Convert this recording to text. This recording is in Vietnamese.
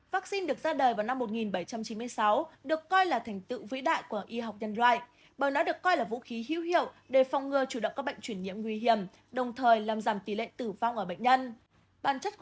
vaccine được ra đời vào năm một nghìn bảy trăm chín mươi sáu được coi là thành tựu vĩ đại của y học nhân loại bởi nó được coi là vũ khí hữu hiệu để phòng ngừa chủ động các bệnh chuyển nhiễm nguy hiểm đồng thời làm giảm tỷ lệ tử vong ở bệnh nhân